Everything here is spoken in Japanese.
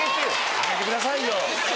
あげてくださいよ。